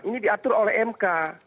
ini diatur oleh mk